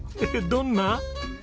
どんな？